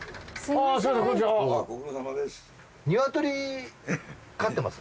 ご苦労さまです。